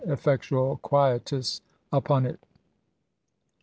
effectual quietus upon it.